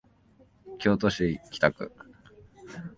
京都市北区